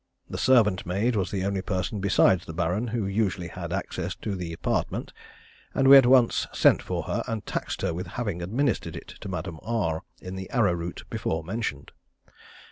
The servant maid was the only person besides the Baron who usually had access to the apartment; and we at once sent for her and taxed her with having administered it to Madame R in the arrow root before mentioned.